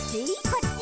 「こっち？」